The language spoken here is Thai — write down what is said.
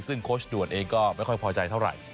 ซึ่งโค้ชด่วนเองก็ไม่ค่อยพอใจเท่าไหร่